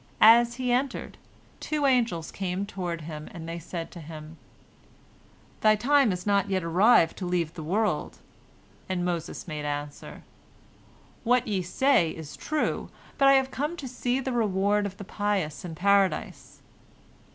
As he entered, two angels came toward him, and they said to him, "Thy time is not yet arrived to leave the world," and Moses made answer, "What ye say is true, but I have come to see the reward of the pious in Paradise."